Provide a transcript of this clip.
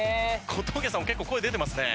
小峠さんも結構声出てますね。